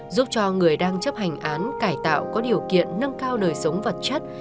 giúp cho người đang chấp hành án cải tạo có điều kiện nâng cao đời sống vật chất